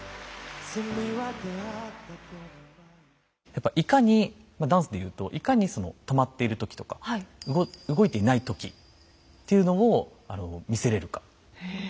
やっぱいかにダンスで言うといかにその止まっている時とか動いていない時っていうのを見せれるか。